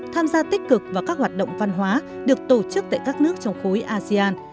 tham gia tích cực vào các hoạt động văn hóa được tổ chức tại các nước trong khối asean